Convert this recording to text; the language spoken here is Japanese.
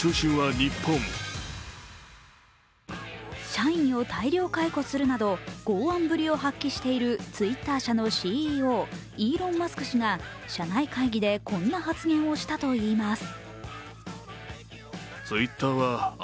社員を大量解雇するなど剛腕ぶりを発揮しているＴｗｉｔｔｅｒ社のＣＥＯイーロン・マスク氏が社内会議でこんな発言をしたといいます。